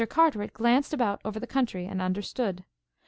Carteret glanced about over the country and understood.